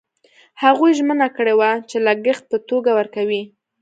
هغوی ژمنه کړې وه چې لګښت په توګه ورکوي.